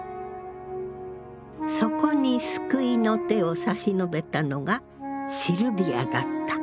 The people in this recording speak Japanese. そこに救いの手を差し伸べたのがシルヴィアだった。